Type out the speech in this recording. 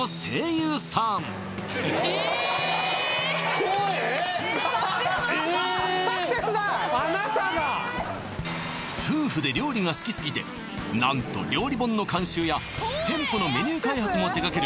えっえっあなたが夫婦で料理が好きすぎて何と料理本の監修や店舗のメニュー開発も手がける